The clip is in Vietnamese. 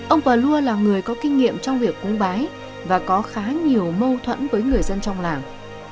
ông pờ luôn là người có kinh nghiệm trong việc cúng bái và có khá nhiều mâu thuẫn với người dân trong làng